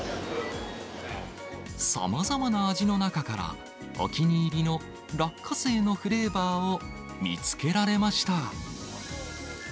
さまざまな味の中から、お気に入りの落花生のフレーバーを見つけられました。